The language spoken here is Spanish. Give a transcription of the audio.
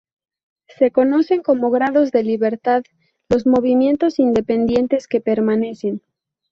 Se conocen como grados de libertad los movimientos independientes que permanecen.